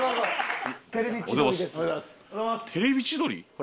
『テレビ千鳥』です。